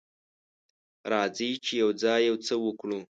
راځئ چې یوځای یو څه وکړو.